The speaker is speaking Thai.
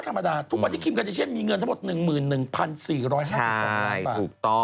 ทุกวันที่คิมการ์เดชเชียนมีเงินทั้งหมด๑๑๔๕๒บาท